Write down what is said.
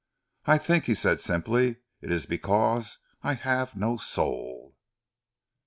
"I think," he said simply, "it is because I have no soul."